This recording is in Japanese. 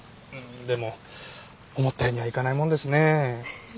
でも思ったようにはいかないもんですね。